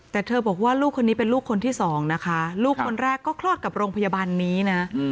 แต่เธอบอกว่าลูกคนนี้เป็นลูกคนที่สองนะคะลูกคนแรกก็คลอดกับโรงพยาบาลนี้นะ